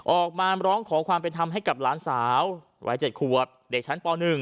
ออกมาร้องขอความเป็นธรรมให้กับหลานสาววัย๗ขวบเด็กชั้นป๑